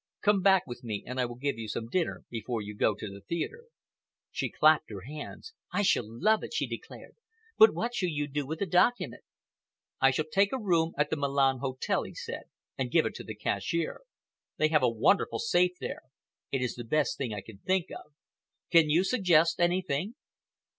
Come back with me and I will give you some dinner before you go to the theatre." She clapped her hands. "I shall love it," she declared. "But what shall you do with the document?" "I shall take a room at the Milan Hotel," he said, "and give it to the cashier. They have a wonderful safe there. It is the best thing I can think of. Can you suggest anything?"